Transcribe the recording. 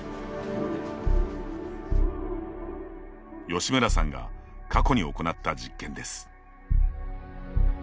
吉村さんが過去に行った実験です。